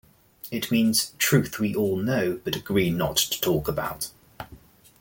It means truth we all know but agree not to talk about.